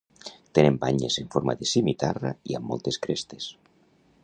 Tenen banyes en forma de simitarra i amb moltes crestes.